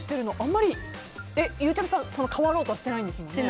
ゆうちゃみさん、あんまり変わろうとはしないんですもんね。